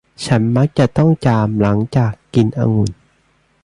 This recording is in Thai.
ฉันมักจะต้องจามหลังจากกินองุ่น